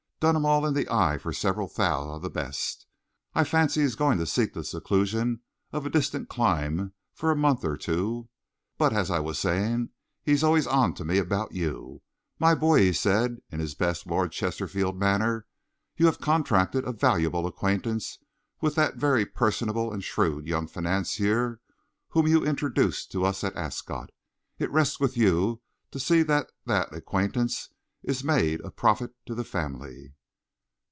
Done 'em all in the eye for several thou of the best. I fancy he's going to seek the seclusion of a distant clime for a month or two.... But as I was saying, he's always on to me about you. 'My boy,' he said, in his best Lord Chesterfield manner, 'you have contracted a valuable acquaintance with that very personable and shrewd young financier whom you introduced to us at Ascot. It rests with you to see that that acquaintance is made of profit to the family.'"